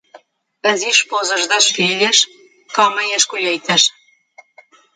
As esposas das filhas comem as colheitas.